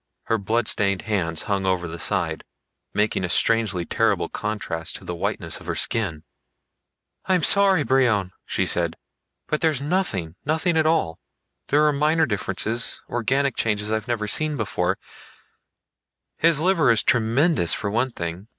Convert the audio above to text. Her bloodstained hands hung over the side, making a strangely terrible contrast to the whiteness of her skin. "I'm sorry, Brion," she said. "But there's nothing, nothing at all. There are minor differences, organic changes I've never seen before his liver is tremendous, for one thing.